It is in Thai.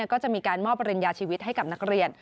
ก็จะมีการมอบปริญญาชีวิตให้กับนักเรียน